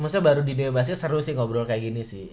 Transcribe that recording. maksudnya baru di new york basket seru sih ngobrol kayak gini sih